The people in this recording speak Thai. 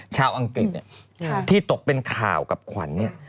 ชาวอังกฤษที่ตกเป็นข่าวกับขวัญ